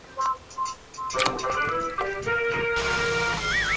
由此西方教会和文化势力由沿海向内陆逐步渗透。